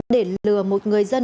để lừa một người dân